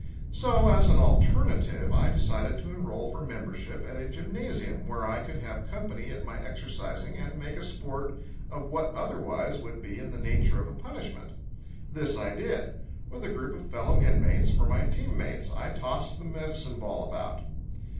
So as an alternative I decided to enroll for membership at a gymnasium where I could have company at my exercising and make a sport of what otherwise would be in the nature of a punishment. This I did. With a group of fellow inmates for my team mates, I tossed the medicine ball about.